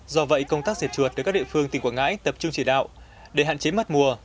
do vậy công tác diệt chuột được các địa phương tỉnh quảng ngãi tập trung chỉ đạo để hạn chế mất mùa